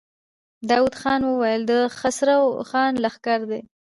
داوود خان وويل: د خسرو خان لښکر دی.